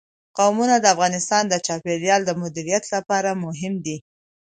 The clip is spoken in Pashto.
قومونه د افغانستان د چاپیریال د مدیریت لپاره مهم دي.